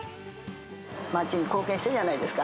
街に貢献してるじゃないですか。